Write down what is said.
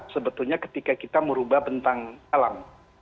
sebetulnya ketika kita merubah bentang alam